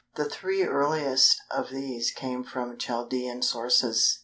The three earliest of these came from Chaldæan sources.